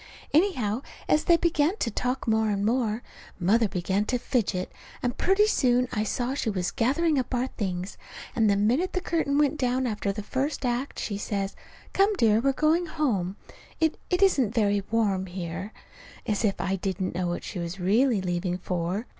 Anyhow, as they began to talk more and more, Mother began to fidget, and pretty soon I saw she was gathering up our things; and the minute the curtain went down after the first act, she says: "Come, dear, we're going home. It it isn't very warm here." As if I didn't know what she was really leaving for!